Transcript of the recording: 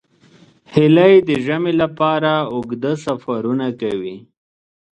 هیلۍ د ژمي لپاره اوږده سفرونه کوي